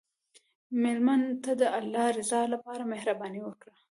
مېلمه ته د الله رضا لپاره مهرباني وکړه.